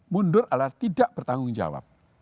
mundur adalah tidak bertanggung jawab